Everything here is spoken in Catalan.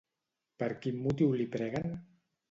Per quin motiu li preguen?